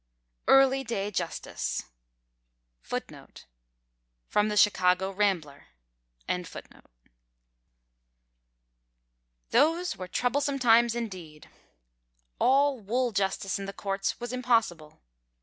Early Day Justice. [Footnote 2: From the Chicago Rambler.] Those were troublesome times, indeed. All wool justice in the courts was impossible.